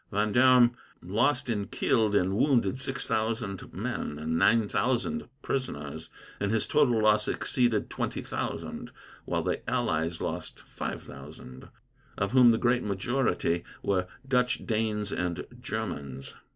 Vendome lost in killed and wounded six thousand men, and nine thousand prisoners, and his total loss exceeded twenty thousand; while the allies lost five thousand, of whom the great majority were Dutch, Danes, and Germans.